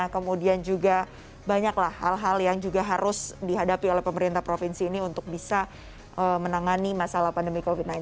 kemudian juga banyaklah hal hal yang juga harus dihadapi oleh pemerintah provinsi ini untuk bisa menangani masalah pandemi covid sembilan belas